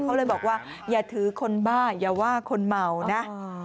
เขาเลยบอกว่าอย่าถือคนบ้าอย่าว่าคนเมานะ